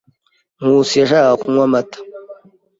Nkusi yashakaga kunywa amata.